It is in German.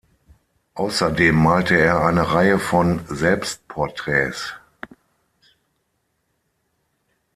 Außerdem malte er eine Reihe von Selbstporträts.